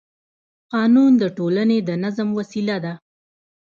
قانون د ټولنې د نظم وسیله ده